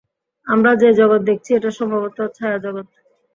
আমরা যে-জগৎ দেখছি, এটা সম্ভবত ছায়াজগৎ।